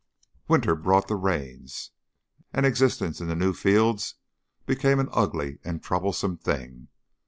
Winter brought the rains, and existence in the new fields became an ugly and a troublesome thing.